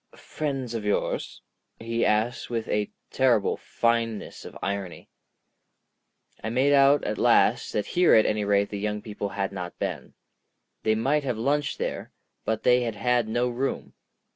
"Friends of yours?" he asked with a terrible fineness of irony. I made out at last that here at any rate the young people had not been. They might have lunched there, but they had had no room.